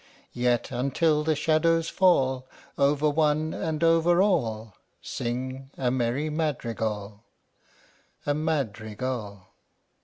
Yet until the shadows fall Over one and over all, Sing a merry madrigal A Madrigal!